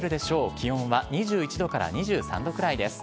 気温は２１度から２３度くらいです。